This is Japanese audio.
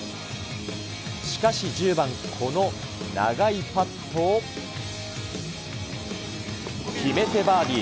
しかし、１０番、この長いパットを決めてバーディー。